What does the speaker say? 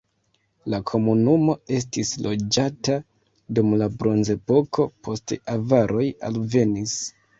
La komunumo estis loĝata dum la bronzepoko, poste avaroj alvenis.